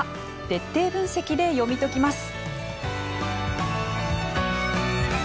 徹底分析で読み解きます。